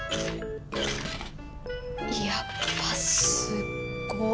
やっぱすっご。